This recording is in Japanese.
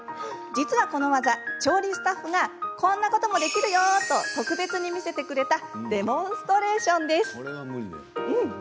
実はこの技、調理スタッフがこんなこともできるよと特別に見せてくれたデモンストレーション。